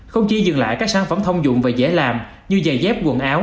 không chỉ dừng lại các sản phẩm thông dụng và dễ làm như giày dép